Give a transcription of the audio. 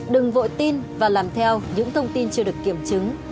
đừng vội tin và làm theo những thông tin chưa được kiểm chứng